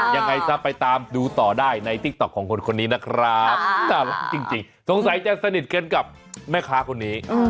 ยังไงซะไปตามดูต่อได้ในติ๊กต๊อกของคนนี้นะครับน่ารักจริงสงสัยจะสนิทกันกับแม่ค้าคนนี้